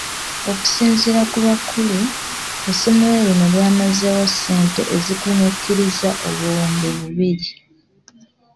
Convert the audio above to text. Okusinziira ku bakulu, essomero lino lyamazeewo ssente ezikunukkiriza obuwumbi bubiri.